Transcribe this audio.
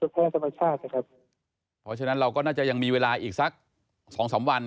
เพราะฉะนั้นเราก็น่าจะยังมีเวลาอีกสัก๒๓วัน